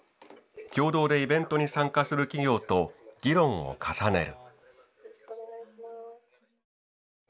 共同でイベントに参加する企業と議論を重ねる。